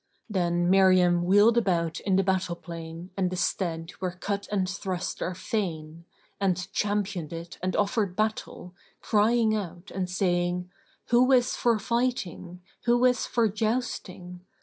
Then Miriam wheeled about in the battleplain and the stead where cut and thrust are fain; and championed it and offered battle, crying out and saying, "Who is for fighting? Who is for jousting?